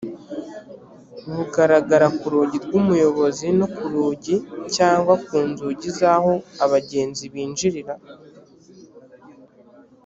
bugaragara ku rugi rw’umuyobozi no ku rugi cyangwa ku nzugi z’aho abagenzi binjirira